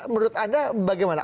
menurut anda bagaimana